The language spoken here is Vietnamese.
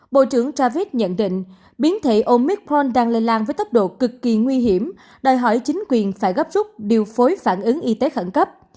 bộ trưởng javid nhận định biến thể omicron đang lây lan với tốc độ cực kỳ nguy hiểm đòi hỏi chính quyền phải gấp rút điều phối phản ứng y tế khẩn cấp